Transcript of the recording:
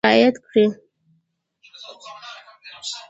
موټروان باید د ټرافیک قوانین رعایت کړي.